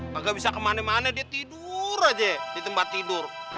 maka bisa kemana mana dia tidur aja di tempat tidur